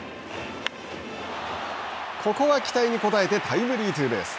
ここは期待に応えてタイムリーツーベース。